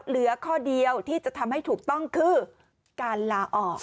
เหลือข้อเดียวที่จะทำให้ถูกต้องคือการลาออก